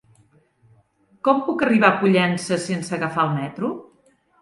Com puc arribar a Pollença sense agafar el metro?